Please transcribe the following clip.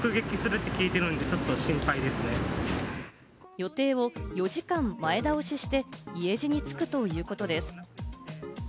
予定を４時間前倒しして、家路につくということです。